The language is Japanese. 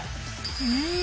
うん！